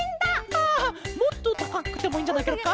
あもっとたかくてもいいんじゃないケロか？